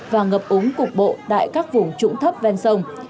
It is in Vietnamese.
và ngập úng cục bộ tại các vùng trũng thấp ven sông